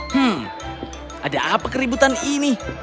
hmm ada apa keributan ini